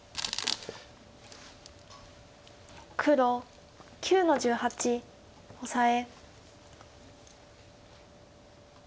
黒９の十八オサエ。